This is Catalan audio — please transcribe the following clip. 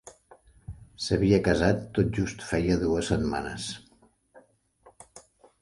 S'havia casat tot just feia dues setmanes.